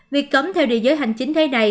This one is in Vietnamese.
việc cấm theo địa giới hành chính thế này